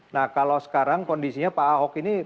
nah kalau sekarang kondisinya pak ahok ini paling positifnya